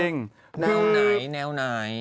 แนวไหน